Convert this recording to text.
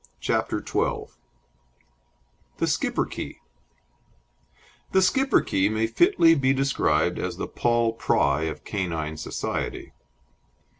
CHAPTER XII THE SCHIPPERKE The Schipperke may fitly be described as the Paul Pry of canine society.